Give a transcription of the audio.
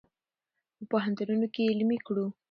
په پوهنتونونو کې یې علمي کړو.